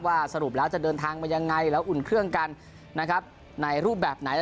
สรุปแล้วจะเดินทางมายังไงแล้วอุ่นเครื่องกันนะครับในรูปแบบไหน